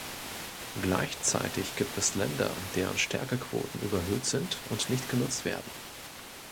Gleichzeitig gibt es Länder, deren Stärkequoten überhöht sind und nicht genutzt werden.